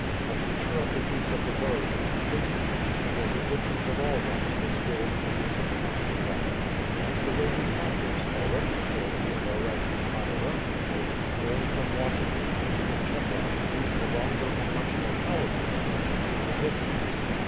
A teacher of the use of the bow came frequently for Egyptians of all ranks were skilled in the use of the national weapon and the Rebu captives, already skilled in the bow as used by their own people, learned from watching his teaching of Chebron to use the longer and much more powerful weapon of the Egyptians.